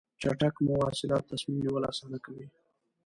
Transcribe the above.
چټک مواصلات تصمیم نیول اسانه کوي.